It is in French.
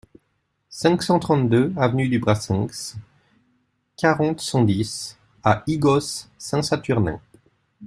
cinq cent trente-deux avenue du Brassenx, quarante, cent dix à Ygos-Saint-Saturnin